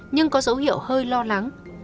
nhưng có dấu hiệu hơi lo lắng